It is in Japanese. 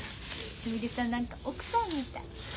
すみれさん何か奥さんみたい。